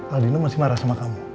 aldino masih marah sama kamu